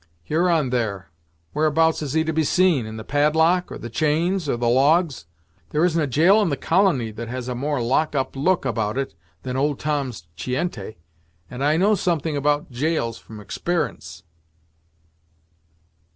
'Huron, there!' Whereabouts is he to be seen in the padlock, or the chains, or the logs. There isn't a gaol in the colony that has a more lock up look about it, than old Tom's chiente, and I know something about gaols from exper'ence."